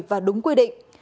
và đúng quy định